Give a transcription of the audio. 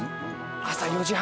朝４時半。